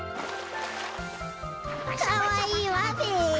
かわいいわべ！